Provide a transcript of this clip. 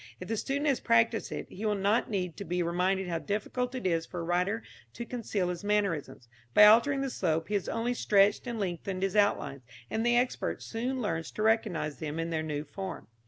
If the student has practised it, he will not need to be reminded how difficult it is for a writer to conceal his mannerisms. By altering the slope he has only stretched and lengthened his outlines, and the expert soon learns to recognise them in their new form.